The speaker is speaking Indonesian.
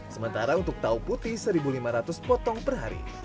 sementara untuk tahu putih satu lima ratus potong per hari